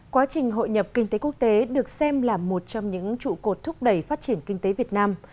quá trình hội nhập kinh tế quốc tế được xem là một trong những trụ cột thúc đẩy phát triển kinh tế việt nam